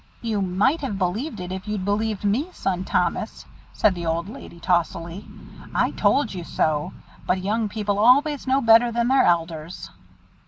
"You might have believed it if you'd believed me, son Thomas," said the old lady tossily. "I told you so. But young people always know better than their elders!"